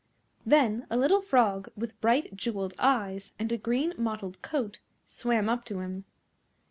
Then a little Frog, with bright jewelled eyes, and a green mottled coat, swam up to him.